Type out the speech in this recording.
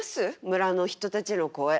村の人たちの声。